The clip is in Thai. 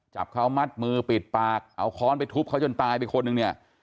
จับเขามัดมือปิดปากเอาค้อนไปทุบเขาจนตายไปคนหนึ่งเนี่ย